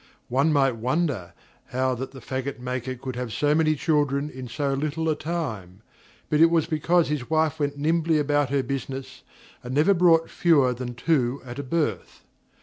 One might wonder how that the faggot maker could have so many children in so little a time; but it was because his wife went nimbly about her business and never brought fewer than two at a birth.